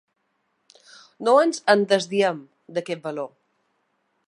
No ens en desdiem, d’aquest valor.